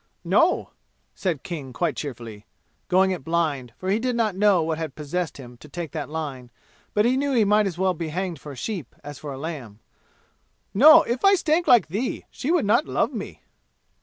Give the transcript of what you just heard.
"No," said King quite cheerfully going it blind, for he did not know what had possessed him to take that line, but knew he might as well be hanged for a sheep as for a lamb. "No, if I stank like thee she would not love me."